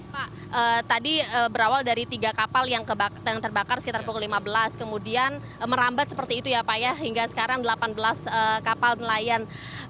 pak tadi berawal dari tiga kapal yang terbakar sekitar pukul lima belas kemudian merambat seperti itu ya pak ya hingga sekarang delapan belas kapal nelayan